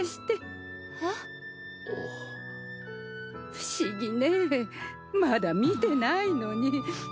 不思議ねまだ見てないのに。